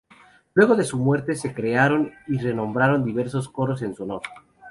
Luego de su muerte, se crearon y renombraron diversos coros en su honor.